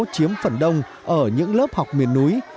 chiếm phần đông ở những lớp học miền núi